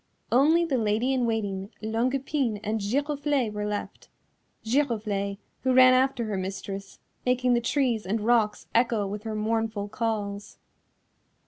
Only the Lady in Waiting, Longue Epine and Giroflée were left, Giroflée, who ran after her mistress, making the trees and rocks echo with her mournful calls.